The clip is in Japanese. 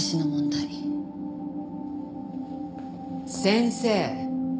先生。